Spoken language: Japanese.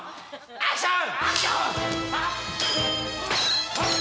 アクション！